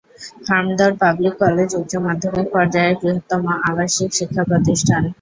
Hamdard public college উচ্চ মাধ্যমিক পর্যায়ের বৃহত্তম আবাসিক শিক্ষা প্রতিষ্ঠান।